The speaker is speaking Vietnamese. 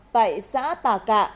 tại xã tà cạ